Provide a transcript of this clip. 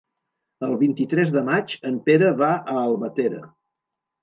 El vint-i-tres de maig en Pere va a Albatera.